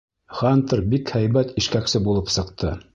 Хантер бик һәйбәт ишкәксе булып сыҡты.